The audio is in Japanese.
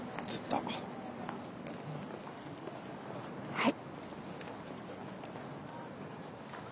はい。